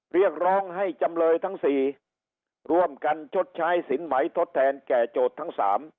เรียกร้องให้จำเลยทั้งสี่ร่วมกันชดใช้สินไหมทดแทนแก่โจทย์ทั้ง๓